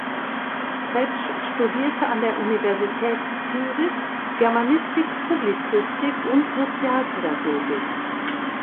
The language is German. Vetsch studierte an der Universität Zürich Germanistik, Publizistik und Sozialpädagogik.